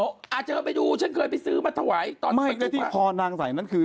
โอ้อ่อเจอไปดูฉันเคยไปซื้อมาถวัยตอนไม่แล้วที่นางใส่นั้นคือ